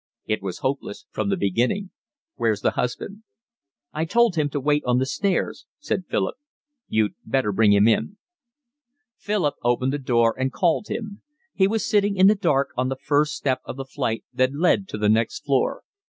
"It was hopeless from the beginning. Where's the husband?" "I told him to wait on the stairs," said Philip. "You'd better bring him in." Philip opened the door and called him. He was sitting in the dark on the first step of the flight that led to the next floor.